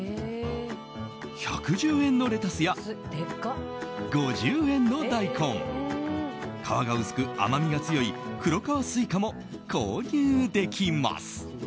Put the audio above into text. １１０円のレタスや５０円の大根皮が薄く甘みが強い黒皮スイカも購入できます。